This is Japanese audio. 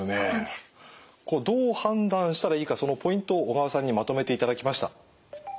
どう判断したらいいかそのポイントを小川さんにまとめていただきました。